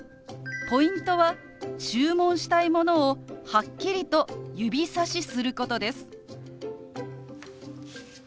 ポイントは注文したいものをはっきりと指さしすることです。